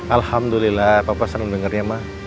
alhamdulillah papa senang dengarnya ma